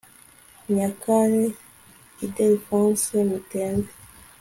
Nyakare Ildefonsi Mutembe